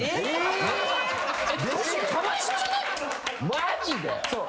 マジで？